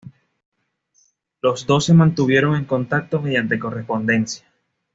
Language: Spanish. Los dos se mantuvieron en contacto mediante correspondencia.